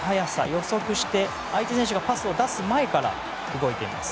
予測して、相手選手がパスを出す前から動いています。